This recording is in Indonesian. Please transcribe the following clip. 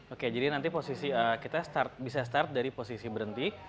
oke jadi nanti posisi kita bisa start dari posisi berhenti